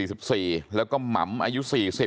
มีสิงห์นี่ก็อายุ๔๔แล้วก็หมำอายุ๔๐